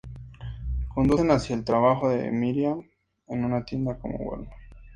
Conducen hacia el trabajo de Miriam en una tienda como Wal-Mart.